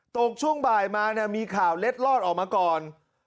ช่วงบ่ายมามีข่าวเล็ดลอดออกมาก่อน